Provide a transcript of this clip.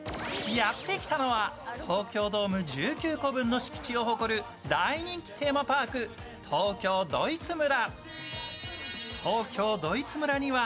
やってきたのは、東京ドーム１９個分の敷地を誇る大人気テーマパーク、東京ドイツ村。